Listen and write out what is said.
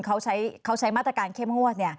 เขาใช้มาตรการเข้มงวด